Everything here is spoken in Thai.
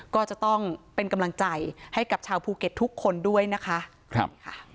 ก็จะต้องเป็นกำลังใจให้กับชาวภูเก็ตทุกคนด้วยนะคะ